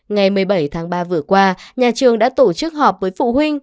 ngày một mươi bảy tháng ba vừa qua nhà trường đã tổ chức họp với phụ huynh